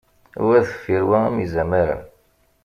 Wa deffir wa am izamaren.